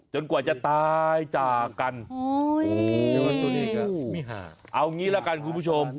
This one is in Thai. จนกว่าจะตายจากกันโอ๋เอางี้ละกันคุณผู้ชม